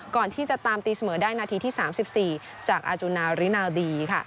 ก่อนที่จะตามตีเสมอได้นาทีที่๓๔จากอาจุนารินาดี